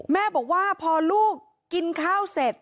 แม่บอกว่าพอลูกกินข้าวเสร็จ